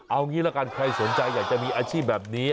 เอางี้ละกันใครสนใจอยากจะมีอาชีพแบบนี้